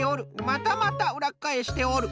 またまたうらっかえしておる。